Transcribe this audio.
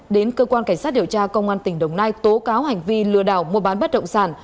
đến cơ quan cảnh sát điều tra công an tỉnh đồng nai tố cáo hành vi lừa đảo mua bán bất động sản